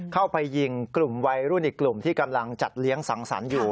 เข้าไปยิงกลุ่มวัยรุ่นอีกกลุ่มที่กำลังจัดเลี้ยงสังสรรค์อยู่